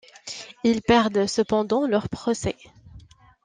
Ils perdent cependant leur procès.